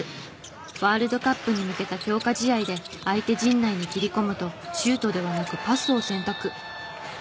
ワールドカップに向けた強化試合で相手陣内に切り込むとシュートではなくパスを選択。